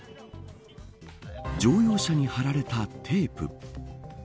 乗用車に貼られたテープ。